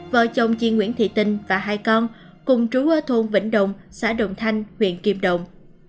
vợ chồng chị nguyễn thị tình và hai con cùng trú ở thôn vĩnh đồng xã đồng thanh huyện kim đồng